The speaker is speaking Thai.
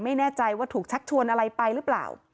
ไม่แน่ใจว่าถูกชักชวนอะไรไปหรือเปล่า